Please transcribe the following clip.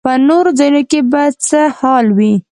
په نورو ځایونو کې به څه حال وي.